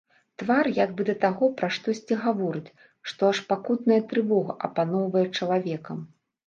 Твар як бы да таго пра штосьці гаворыць, што аж пакутная трывога апаноўвае чалавекам!